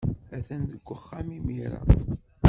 Atan deg uxxam imir-a.